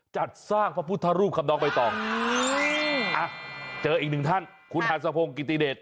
จัดสร้างพระพุทธรูปครับน้องใบตองอ่ะเจออีกหนึ่งท่านคุณฮันสะพงศ์กิติเดช